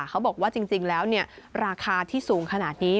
เขาบอกว่าจริงแล้วราคาที่สูงขนาดนี้